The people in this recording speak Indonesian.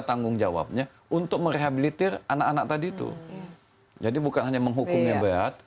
tanggung jawabnya untuk merehabilitir anak anak tadi itu jadi bukan hanya menghukumnya berat